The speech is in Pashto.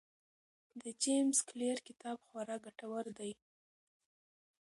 د جیمز کلیر کتاب خورا ګټور دی.